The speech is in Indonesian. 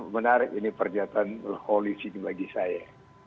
menarik ini perjalanan holis ini bagi saya